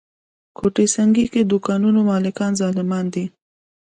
ګوته سنګي کې دوکانونو مالکان ظالمان دي.